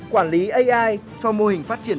quản lý ai cho mô hình phát triển